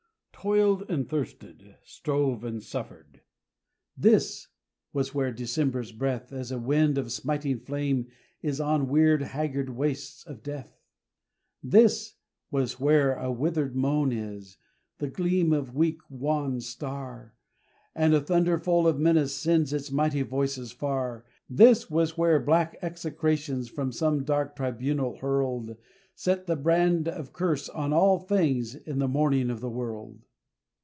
Toiled and thirsted, strove and suffered! This was where December's breath As a wind of smiting flame is on weird, haggard wastes of death! This was where a withered moan is, and the gleam of weak, wan star, And a thunder full of menace sends its mighty voices far! This was where black execrations, from some dark tribunal hurled, Set the brand of curse on all things in the morning of the world!